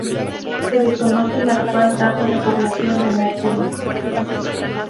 Se desconoce la actual tasa de población de Mercury.